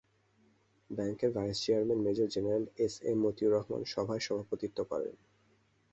ব্যাংকের vice chairman major general S M Matiur Rahman সভায় সভাপতিত্ব করেন।